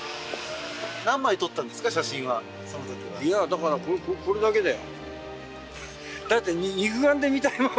いやだからこれだけだよ。